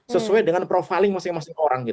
sesuai dengan profiling masing masing orang